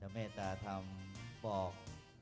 เมตตาธรรมบอก